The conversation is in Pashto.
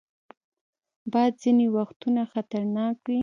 باد ځینې وختونه خطرناک وي